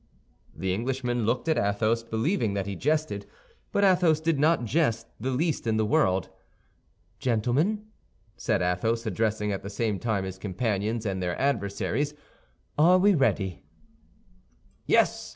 The Englishman looked at Athos, believing that he jested, but Athos did not jest the least in the world. "Gentlemen," said Athos, addressing at the same time his companions and their adversaries, "are we ready?" "Yes!"